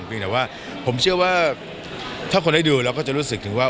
แต่ว่าผมเชื่อว่าถ้าคนได้ดูเราก็จะรู้สึกถึงว่า